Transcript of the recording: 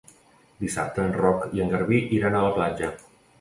Dissabte en Roc i en Garbí iran a la platja.